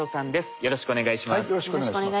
よろしくお願いします。